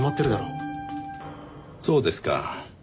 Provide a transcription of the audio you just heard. そうですか。